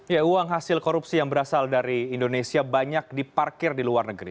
ya uang hasil korupsi yang berasal dari indonesia banyak diparkir di luar negeri